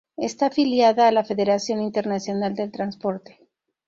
Está afiliada a la Federación Internacional del Transporte.